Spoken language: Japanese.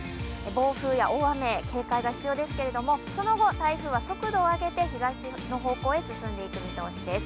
暴風や大雨、警戒が必要ですけれどもその後、台風は速度を上げて東の方向へ進んでいく見通しです。